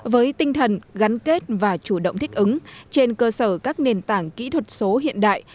với tinh thần gắn kết và chủ động thích ứng trên cơ sở các nền tảng kỹ thuật số hiện đại